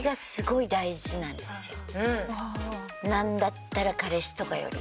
なんだったら彼氏とかより。